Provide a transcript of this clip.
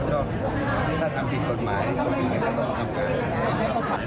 ก็ถ้าทำผิดกฎหมายก็มีอะไรก็ต้องทำการ